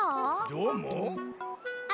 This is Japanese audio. どーも？